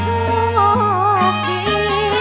เมื่อไหร่จะโชคดี